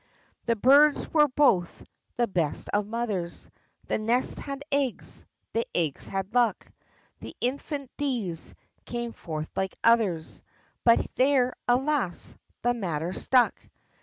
The birds were both the best of mothers The nests had eggs the eggs had luck The infant D's came forth like others But there, alas! the matter stuck!